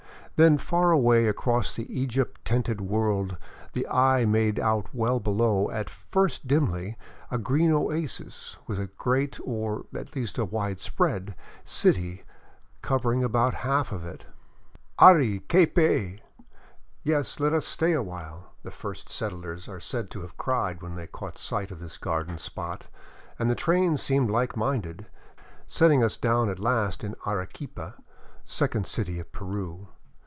Then far away across the Egypt tinted world the eye made out well below, at first dimly, a green oasis with a great, or at least a widespread, city covering about half of it. " Ari, quepay !"(" Yes, let us stay a while!") the first settlers are said to have cried when they caught sight of this garden spot; and the train seemed like minded, setting us down at last in Arequipa, second city of Peru.